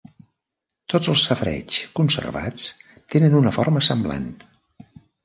Tots els safareigs conservats tenen una forma semblant.